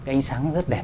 ánh sáng rất đẹp